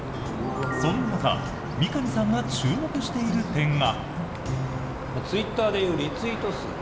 そんな中三上さんが注目している点が。